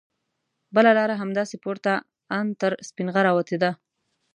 بله لاره همداسې پورته ان تر سپینغره وتې ده.